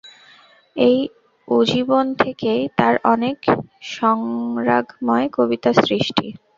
এই উজীবন থেকেই তাঁর অনেক সংরাগময় কবিতার সৃষ্টি।